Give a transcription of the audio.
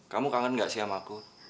kamu kangen gak sih sama aku